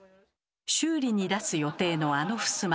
修理に出す予定のあのふすま。